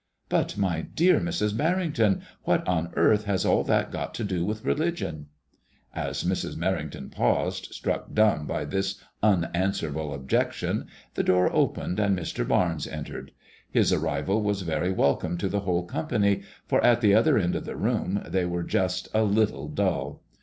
'*" But, my dear Mrs. Merring ton, what on earth has all that got to do with religion ?" As Mrs. Merrington paused, struck dumb by this unanswer able objection, the door opened and Mr. Barnes entered. His arrival was very welcome to the whole company, for at the other end of the room they were just a little dull.